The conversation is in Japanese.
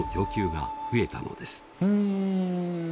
うん。